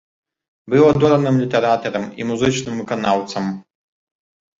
Быў адораным літаратарам і музычным выканаўцам.